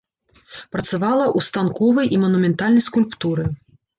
Працавала ў станковай і манументальнай скульптуры.